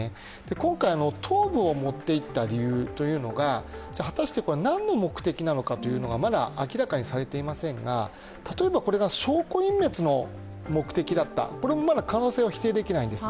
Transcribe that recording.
今回の頭部を持っていった理由というのは果たして何の目的かというのはまだ明らかにされていませんが、例えば証拠隠滅の目的だった、これもまだ可能性は否定できないです。